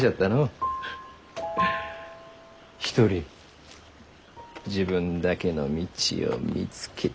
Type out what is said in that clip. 一人自分だけの道を見つけて。